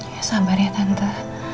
ya sabar ya tante